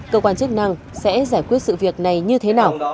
cơ quan chức năng sẽ giải quyết sự việc này như thế nào